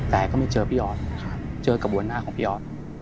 แต่ก็ไม่เจอพี่ออสเจอกระบวนหน้าของพี่ออส